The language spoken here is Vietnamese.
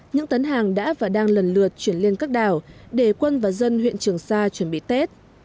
những tấn hàng đã và đang lần lượt chuyển lên các đảo để quân và dân huyện trường sa chuẩn bị tết